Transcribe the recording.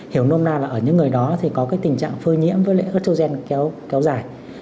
hiểu nôm na là ở những người đó thì có cái tình trạng phơi nhiễm với lễ ớt trâu gen kéo dài